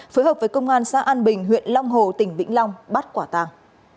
phối hợp với công an xã an bình huyện long hồ tỉnh vĩnh long bắt quả tàng